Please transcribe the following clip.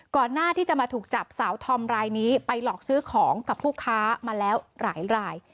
หน้าที่จะมาถูกจับสาวธอมรายนี้ไปหลอกซื้อของกับผู้ค้ามาแล้วหลายราย